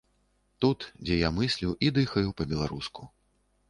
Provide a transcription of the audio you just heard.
Тут, дзе я мыслю і дыхаю па-беларуску.